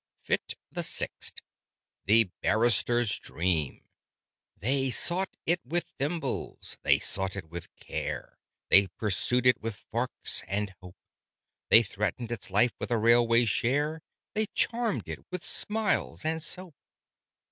Fit the Sixth THE BARRISTER'S DREAM They sought it with thimbles, they sought it with care; They pursued it with forks and hope; They threatened its life with a railway share; They charmed it with smiles and soap.